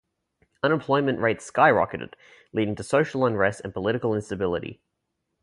Unemployment rates skyrocketed, leading to social unrest and political instability.